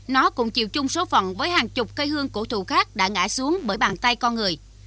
nó cũng chiều chung số phận với hàng chục cây hương cổ thụ khác đã ngã xuống bởi bàn tay con người